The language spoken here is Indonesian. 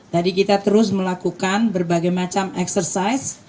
tadi kita terus melakukan berbagai macam eksersis